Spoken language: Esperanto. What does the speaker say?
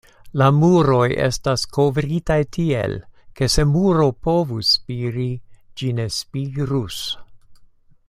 La muroj estas kovritaj tiel, ke se muro povus spiri, ĝi ne spirus.